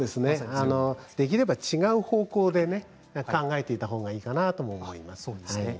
できれば違う方向で考えていたほうがいいかなと思いますね。